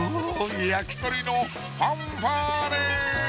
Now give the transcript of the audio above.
焼き鳥のファンファーレ！